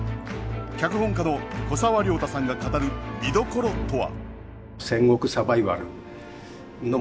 脚本家の古沢良太さんが語る見どころとは？